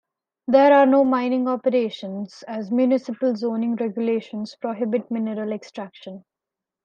There are no mining operations, as municipal zoning regulations prohibit mineral extraction.